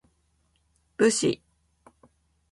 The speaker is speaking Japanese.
武士